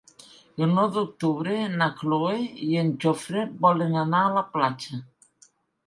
El nou d'octubre na Cloè i en Jofre volen anar a la platja.